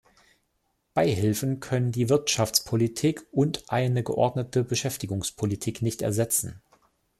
Beihilfen können die Wirtschaftspolitik und eine geordnete Beschäftigungspolitik nicht ersetzen.